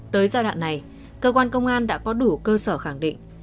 tới giai đoạn này cơ quan công an đã có đủ cơ sở khẳng định